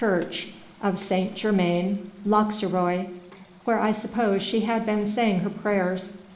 25 church of St. Germain 1'Auxerrois, where, I suppose, she had been saying her prayers.